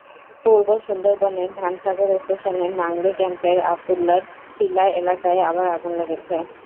পূর্ব সুন্দরবনের ধানসাগর স্টেশনের নাংলী ক্যাম্পের আবদুল্লাহর টিলা এলাকায় আবার আগুন লেগেছে।